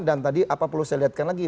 dan tadi apa perlu saya lihatkan lagi